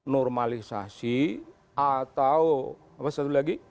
normalisasi atau apa satu lagi